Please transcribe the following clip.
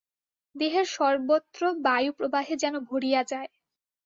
দেহের সর্বত্র বায়ুপ্রবাহে যেন ভরিয়া যায়।